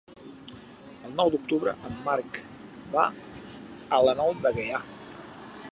El nou d'octubre en Marc va a la Nou de Gaià.